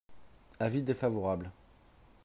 Avis défavorable.